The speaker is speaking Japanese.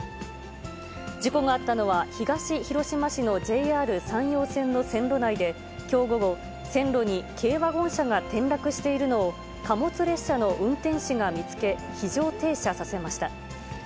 事故があったのは、東広島市のＪＲ山陽線の線路内で、きょう午後、線路に軽ワゴン車が転落しているのを、貨物列車の運転士が見つけ、非常停車させました。